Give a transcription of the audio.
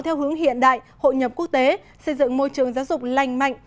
theo hướng hiện đại hội nhập quốc tế xây dựng môi trường giáo dục lành mạnh